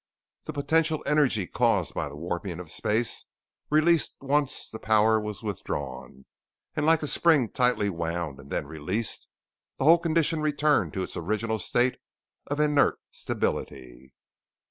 The potential energy caused by the warping of space released once the power was withdrawn, and like a spring tightly wound and then released, the whole condition returned to its original state of inert stability.